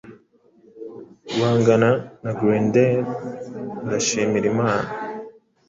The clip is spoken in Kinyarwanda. Guhangana na Grendel Ndashimira Imana